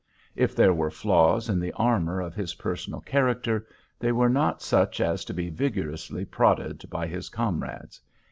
If there were flaws in the armor of his personal character they were not such as to be vigorously prodded by his comrades.